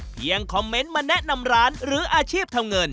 คอมเมนต์มาแนะนำร้านหรืออาชีพทำเงิน